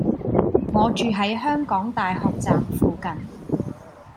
我住喺香港大學站附近